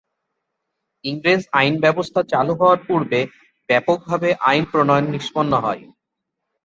ইংরেজ আইনব্যবস্থা চালু হওয়ার পূর্বে ব্যাপকভাবে আইন প্রণয়ন নিষ্পন্ন হয়।